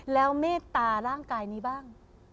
แล้วเมตตาร่างกายนี้บ้าง